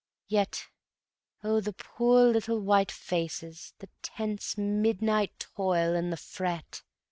Yet ... oh, the poor little white faces, The tense midnight toil and the fret